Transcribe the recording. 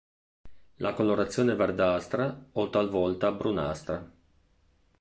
La colorazione è verdastra o talvolta brunastra.